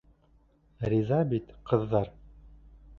Риза бит, ҡыҙҙар?